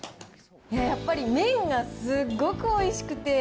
やっぱり麺がすごくおいしくて。